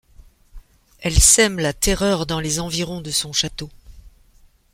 Elle sème la terreur dans les environs de son château.